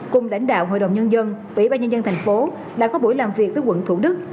cùng lãnh đạo hội đồng nhân dân quỹ ba nhân dân thành phố đã có buổi làm việc với quận thủ đức